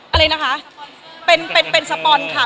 อะไรนะคะเป็นสปอนค่ะ